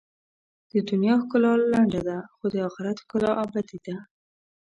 د دنیا ښکلا لنډه ده، خو د آخرت ښکلا ابدي ده.